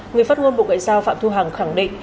người phát ngôn bộ ngoại giao phạm thu hằng khẳng định